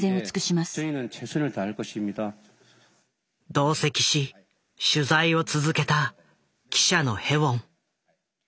同席し取材を続けた記者のへウォン。